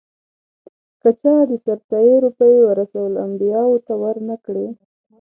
که چا د سرسایې روپۍ ورثه الانبیاوو ته ور نه کړې.